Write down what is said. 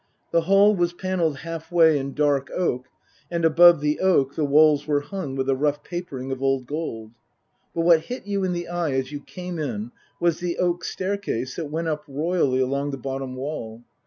The hall was panelled half way in dark oak, and above the oak the walls were hung with a rough papering of old gold. But what hit you in the eye as you came in was the oak staircase that went up royally along the bottom wall.